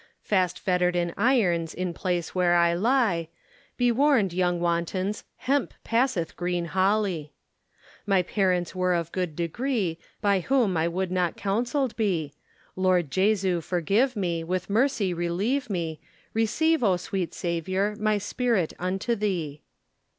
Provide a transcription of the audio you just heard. Fast fettred in yrons in place where I lie. Be warned yong wantons, hemp passeth green holly. My parents were of good degree, By whom I would not counselled be. Lord Jesu forgive me, with mercy releeve me, Receive, O sweet Saviour, my spirit unto thee.